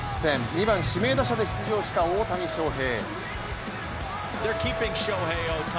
２番・指名打者で出場した大谷翔平。